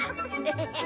ヘヘヘ。